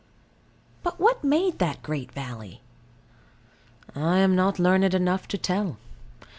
But what made that great valley? I am not learned enough to tell.